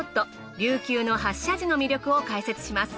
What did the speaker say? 琉球の８社寺の魅力を解説します。